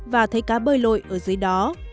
và thấy cá bơi lội ở dưới đó